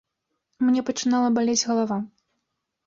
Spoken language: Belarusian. Мне пачынала балець галава.